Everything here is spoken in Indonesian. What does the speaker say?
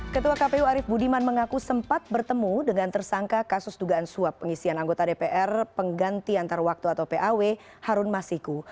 ketua kpu arief budiman mengaku sempat bertemu dengan tersangka kasus dugaan suap pengisian anggota dpr pengganti antar waktu atau paw harun masiku